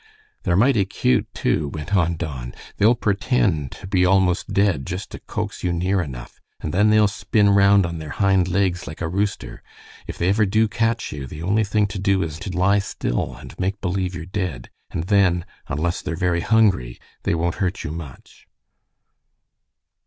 They're mighty cute, too," went on Don. "They'll pretend to be almost dead just to coax you near enough, and then they'll spin round on their hind legs like a rooster. If they ever do catch you, the only thing to do is to lie still and make believe you're dead, and then, unless they're very hungry, they won't hurt you much."